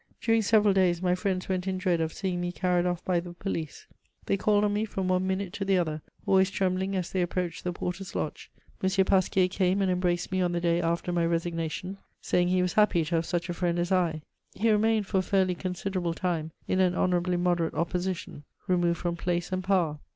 During several days, my friends went in dread of seeing me carried off by the police; they called on me from one minute to the other, always trembling as they approached the porter's lodge. M. Pasquier came and embraced me on the day after my resignation, saying he was happy to have such a friend as I. He remained for a fairly considerable time in an honourably moderate opposition, removed from place and power.